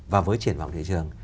và với triển vọng thị trường